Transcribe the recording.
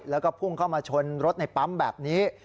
แล้วก็พุ่งเข้ามาชนรถในปั๊มแบบนี้